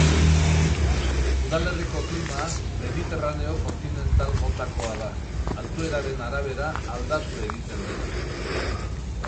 Udalerriko klima mediterraneo-kontinental motakoa da, altueraren arabera, aldatu egiten dena.